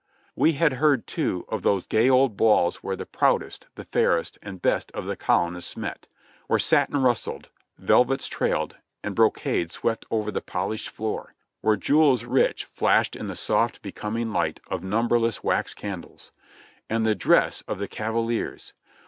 We had heard too of those gay old balls where the proudest, the fairest and best of the Colonists met, where satin rustled, vel vets trailed, and brocade swept over the polished floor; where jewels rich flashed in the soft, becoming light of numberless wax candles. And the dress of the cavaliers!